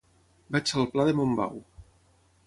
Vaig al pla de Montbau.